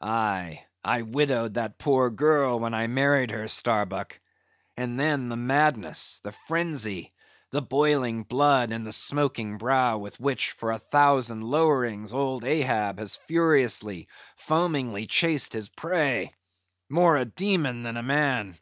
Aye, I widowed that poor girl when I married her, Starbuck; and then, the madness, the frenzy, the boiling blood and the smoking brow, with which, for a thousand lowerings old Ahab has furiously, foamingly chased his prey—more a demon than a man!